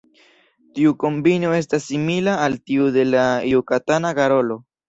Tiu kombino estas simila al tiu de la Jukatana garolo.